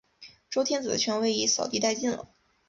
周天子的权威已扫地殆尽了。